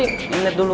ini lihat dulu